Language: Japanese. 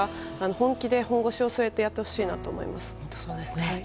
本気で本腰を据えてやってほしいと思います。